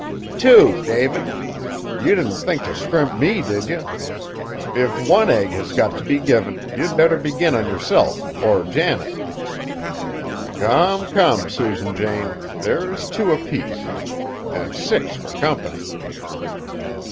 "Two, David! You didn't think t' scrimp me, did you? If one egg has got t' be given, you'd better begin on yourself, or Janet!" "Come, come, Susan Jane; there is two apiece, an' six fur company!"